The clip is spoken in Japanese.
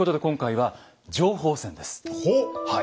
はい。